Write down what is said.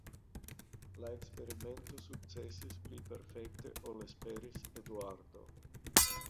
La eksperimento sukcesis pli perfekte ol esperis Eduardo.